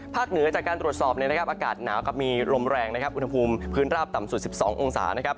ภาคเหนือจากการตรวจสอบในอากาศหนาวกับมีลมแรงอุณหภูมิพื้นราบต่ำสุด๑๒องศา